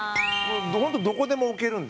本当に、どこでも置けるので。